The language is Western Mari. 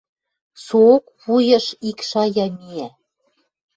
Соок вуйыш ик шая миӓ